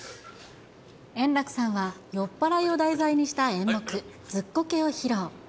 円楽さんは酔っ払いを題材にした、演目、ずっこけを披露。